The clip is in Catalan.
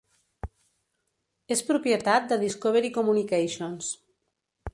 És propietat de Discovery Communications.